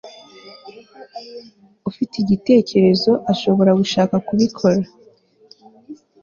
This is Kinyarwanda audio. ufite igitekerezo ushobora gushaka kubikora